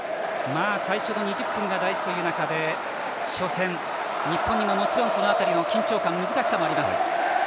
最初の２０分が大事という中で初戦、日本にもその辺りの緊張感難しさがあります。